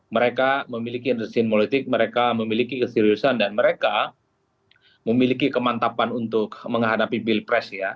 mereka memiliki intesin politik mereka memiliki keseriusan dan mereka memiliki kemantapan untuk menghadapi pilpres ya